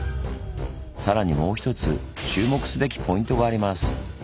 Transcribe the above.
更にもう一つ注目すべきポイントがあります。